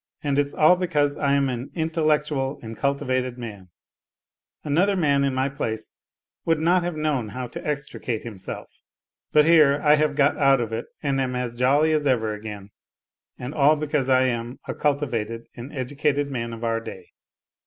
And it's all because I am an intellectual and cultivated man ! Another man in my place would not have known how to extricate him self, but here I have got out of it and am as jolly as ever again, and all because I am " a cultivated and educated man of our day."